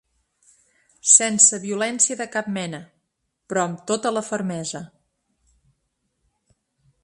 Sense violència de cap mena, ‘però amb tota la fermesa’.